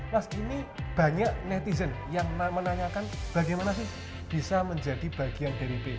mas ini banyak netizen yang menanyakan bagaimana sih bisa menjadi bagian dari b